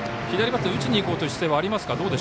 左バッター打ちにいこうという姿勢はありますか。